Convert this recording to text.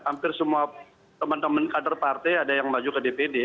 hampir semua teman teman kader partai ada yang maju ke dpd